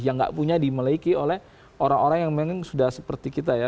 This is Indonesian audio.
yang gak punya dimiliki oleh orang orang yang memang sudah seperti kita ya